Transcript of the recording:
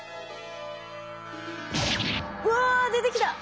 うわ出てきた！